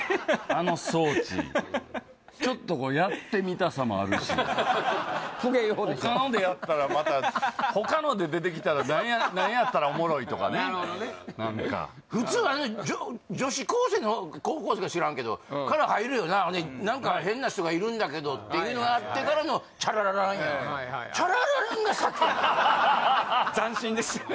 あの装置ちょっとやってみたさもあるしほかのでやったらまたほかので出てきたら何やったらおもろいとかね普通女子高生の高校生か知らんけどから入るよなあれ何か変な人がいるんだけどっていうのがあってからのチャララランチャララランが先やで斬新でしたね